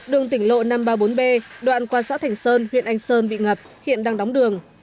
đường tỉnh lộ năm trăm ba mươi bốn b đoạn qua xã thành sơn huyện anh sơn bị ngập hiện đang đóng đường